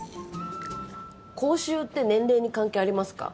口臭って年齢に関係ありますか？